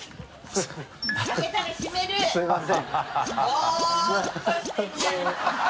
すみません。